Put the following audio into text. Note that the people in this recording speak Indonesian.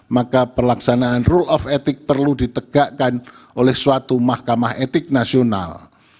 maka pelaksanaan rule of etik perlu ditegakkan oleh suatu mahkamah etik nasional